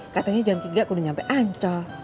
katanya jam tiga udah nyampe ancol